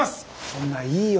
そんないいよ